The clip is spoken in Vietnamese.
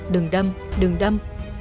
đừng đâm đừng đâm